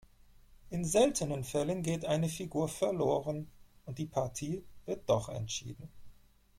In seltenen Fällen geht eine Figur verloren und die Partie wird doch entschieden.